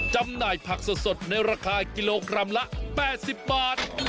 จำหน่ายผักสดในราคากิโลกรัมละ๘๐บาท